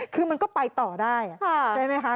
คือมันก็ไปต่อได้ใช่ไหมคะ